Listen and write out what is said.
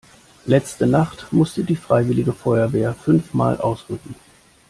Letzte Nacht musste die freiwillige Feuerwehr fünfmal ausrücken.